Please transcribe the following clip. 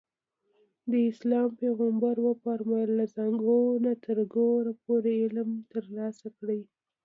د اسلام پیغمبر وفرمایل له زانګو نه تر ګوره پورې علم ترلاسه کړئ.